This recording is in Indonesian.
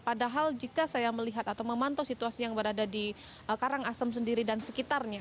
padahal jika saya melihat atau memantau situasi yang berada di karangasem sendiri dan sekitarnya